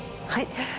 はい。